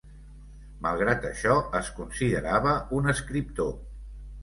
Malgrat això es considerava un escriptor.